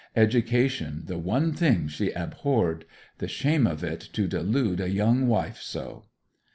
Education, the one thing she abhorred; the shame of it to delude a young wife so!